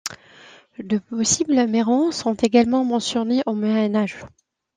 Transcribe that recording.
De possibles Mérens sont également mentionnés au Moyen Âge.